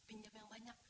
ini dia uangnya